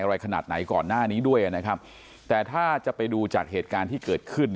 อะไรขนาดไหนก่อนหน้านี้ด้วยนะครับแต่ถ้าจะไปดูจากเหตุการณ์ที่เกิดขึ้น